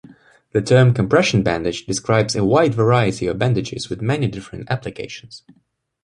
The term 'compression bandage' describes a wide variety of bandages with many different applications.